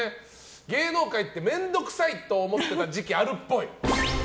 芸能界って面倒くさい！と思ってた時期あるっぽい。